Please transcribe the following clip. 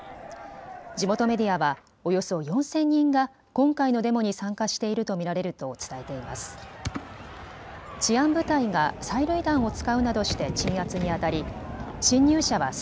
地元メディアはおよそ４０００人が今回のデモに参加していると見られると伝えています。